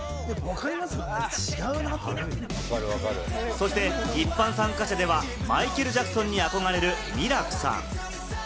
そして一般参加者ではマイケル・ジャクソンに憧れるミラクさん。